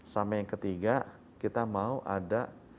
sama yang ketiga kita mau ada